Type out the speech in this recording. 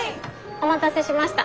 お待たせしました。